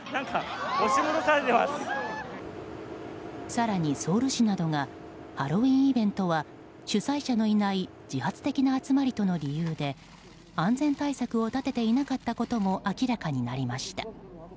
更に、ソウル市などがハロウィーンイベントは主催者のいない自発的な集まりとの理由で安全対策を立てていなかったことも明らかになりました。